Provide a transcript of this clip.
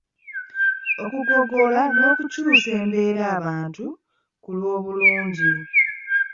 Okugogola n’okukyusa embeerabantu ku lw’obulungi.